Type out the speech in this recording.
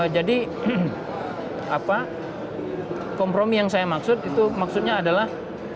jadi kompromi yang saya maksud itu maksudnya adalah